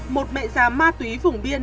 một mẹ già ma túy vùng biên